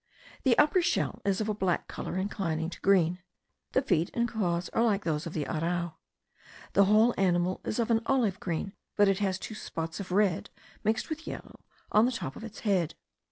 The upper shell is of a black colour inclining to green; the feet and claws are like those of the arrau. The whole animal is of an olive green, but it has two spots of red mixed with yellow on the top of the head.